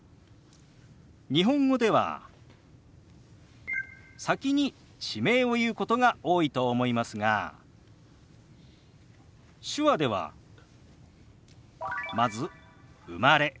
日本語では先に地名を言うことが多いと思いますが手話ではまず「生まれ」。